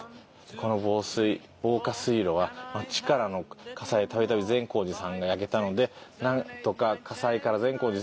「この防火水路は町からの火災でたびたび善光寺さんが焼けたのでなんとか火災から善光寺」。